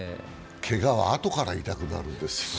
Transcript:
けがはあとから痛くなるんですってね。